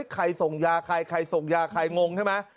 ใครส่งยาใครงงใช่ไหม